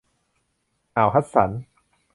อ่าวฮัดสัน